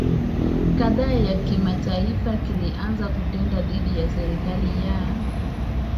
kadhaa ya kimataifa kilianza kutenda dhidi ya serikali ya